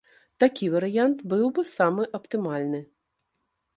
Такі варыянт быў бы самы аптымальны.